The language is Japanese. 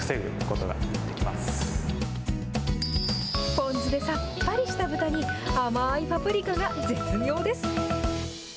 ポン酢でさっぱりした豚に、甘いパプリカが絶妙です。